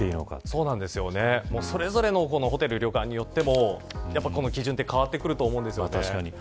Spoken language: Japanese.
それぞれのホテル旅館によっても基準って変わってくると思うんです。